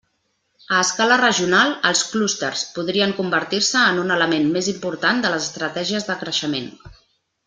A escala regional, els clústers podrien convertir-se en un element més important de les estratègies de creixement.